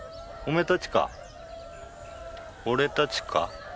俺たちか？